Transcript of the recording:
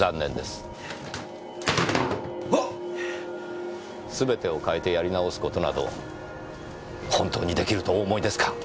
すべてを変えてやり直す事など本当にできるとお思いですか？